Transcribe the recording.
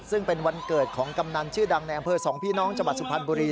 ซึ่งเป็นวันเกิดของกำนันชื่อดังในอำเภอ๒พี่น้องจังหวัดสุพรรณบุรี